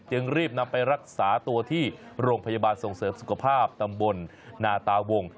จึงรีบนำไปรักษาตัวที่โรงพยาบาลส่งเสริมสุขภาพตำบลนาตาวง